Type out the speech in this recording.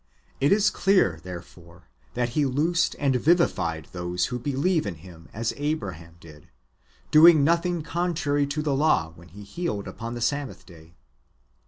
"^ It is clear, therefore, that He loosed and vivified those who believe in Him as Abraham did, doing nothing contrary to the law when He healed upon the Sabbath day.